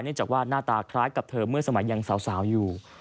จากว่าหน้าตาคล้ายกับเธอเมื่อสมัยยังสาวอยู่